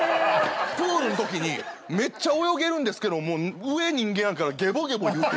プールのときにめっちゃ泳げるんですけど上人間やからゲボゲボ言うて。